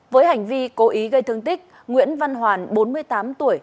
với hành vi cố ý gây thương tích nguyễn văn hoàn bốn mươi tám tuổi